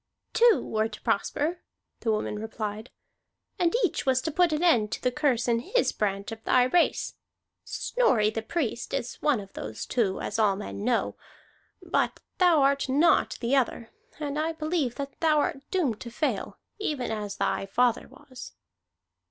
"Two were to prosper," the woman replied. "And each was to put an end to the curse in his branch of thy race. Snorri the Priest is one of those two, as all men know. But thou art not the other; and I believe that thou art doomed to fail, even as thy father was."